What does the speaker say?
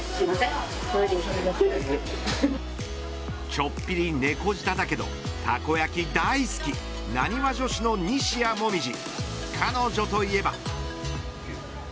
ちょっぴり猫舌だけどたこ焼き大好きなにわ女子の西矢椛彼女といえば。